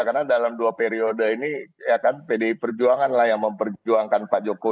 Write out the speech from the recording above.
karena dalam dua periode ini ya kan pdi perjuangan lah yang memperjuangkan pak joko